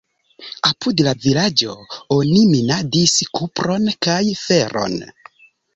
Apud la vilaĝo oni minadis kupron kaj feron.